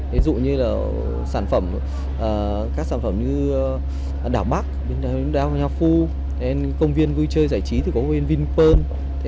ví dụ như là các sản phẩm như đảo bắc đảo hòa nho phu công viên vui chơi giải trí thì có công viên vinpearl